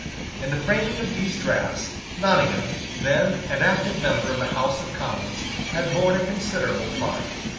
In the framing of these draughts, Nottingham, then an active member of the House of Commons, had borne a considerable part.